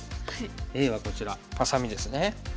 Ａはこちらハサミですね。